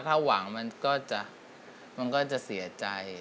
ถ้าหวังมันก็จะเสียใจ